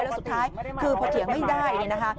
แล้วสุดท้ายคือพอเถียงไม่ได้